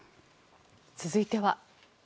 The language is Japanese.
続いては。